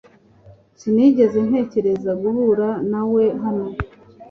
Sinigeze ntekereza guhura nawe hano .(Dejo)